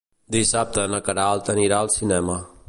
Dissabte na Queralt anirà al cinema.